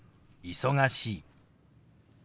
「忙しい」。